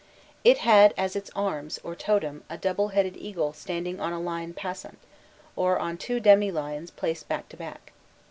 It had as its arms, or totem, a double headed eagle standing on a lion passant, or on two demi lions placed back to back.